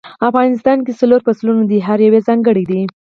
افغانستان کې څلور فصلونه دي او هر یو ځانګړی ده